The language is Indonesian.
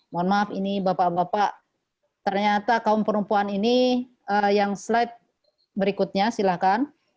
mohon maaf ini bapak bapak ternyata kaum perempuan ini yang slide berikutnya silahkan